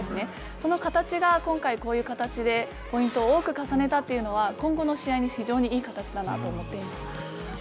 その形が、今回、こういう形でポイントを多く重ねたというのは、今後の試合に非常にいい形だなと思っています。